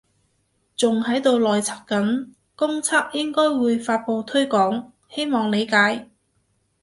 仲喺度內測緊，公測應該會發佈推廣，希望理解